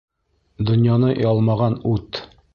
Донъяны ялмаған ут.